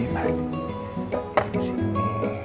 nah ini di sini